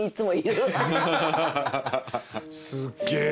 すっげえ。